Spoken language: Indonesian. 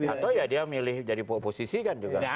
atau ya dia milih jadi oposisi kan juga